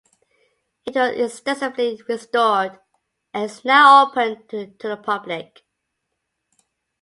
It was extensively restored and is now open to the public.